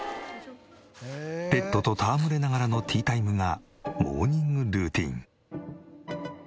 ペットと戯れながらのティータイムがモーニングルーティーン。